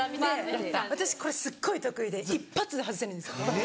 私これすっごい得意で一発で外せるんですよ。